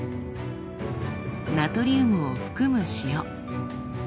ナトリウムを含む塩。